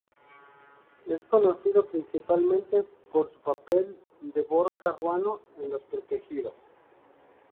Es conocido principalmente por su papel de Borja Ruano en "Los protegidos".